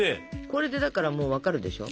これでだからもう分かるでしょ。